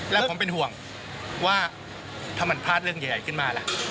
แล้วผมเป็นห่วงว่าถ้ามันพลาดเรื่องใหญ่ขึ้นมาล่ะ